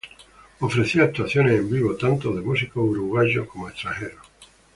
Ofrecía actuaciones en vivo tanto de músicos uruguayos como extranjeros.